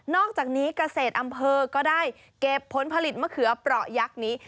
อกจากนี้เกษตรอำเภอก็ได้เก็บผลผลิตมะเขือเปราะยักษ์นี้